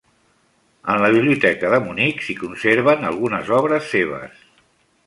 En la biblioteca de Munic s'hi conserven algunes obres seves.